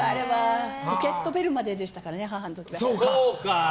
ポケットベルまででしたから母の時は。